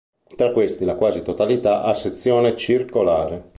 Tra questi, la quasi totalità ha sezione circolare.